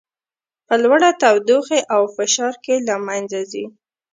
په لوړه تودوخې او فشار کې له منځه ځي.